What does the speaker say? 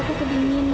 aku kedinginan mama